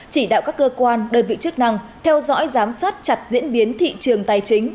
chỉ đạo các cơ quan đơn vị chức năng theo dõi giám sát chặt diễn biến thị trường tài chính